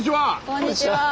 こんにちは。